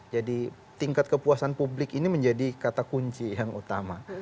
jadi tingkat kepuasan publik ini menjadi kata kunci yang utama